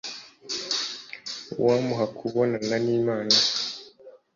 uwamuha kubonana n'imana